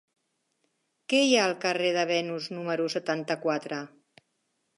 Què hi ha al carrer de Venus número setanta-quatre?